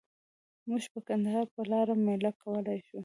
موږ به د کندهار په لاره میله وکولای شو؟